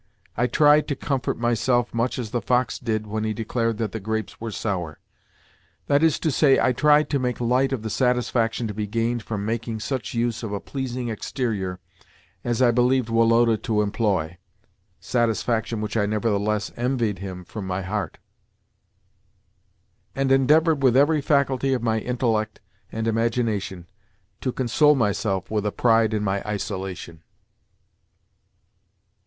I tried to comfort myself much as the fox did when he declared that the grapes were sour. That is to say, I tried to make light of the satisfaction to be gained from making such use of a pleasing exterior as I believed Woloda to employ (satisfaction which I nevertheless envied him from my heart), and endeavoured with every faculty of my intellect and imagination to console myself with a pride in my isolation.